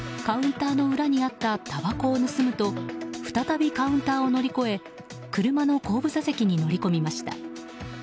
カウンターの裏にあったたばこを盗むと再びカウンターを乗り越え車の後部座席に乗り込みました。